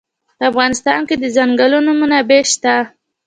په افغانستان کې د ځنګلونه منابع شته.